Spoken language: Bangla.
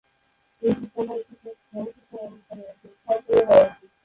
এ বিদ্যালয়ে সহ-শিক্ষা ব্যবস্থা রয়েছে।